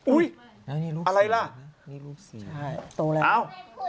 อุ๊ยอะไรละใช่ตบแล้ว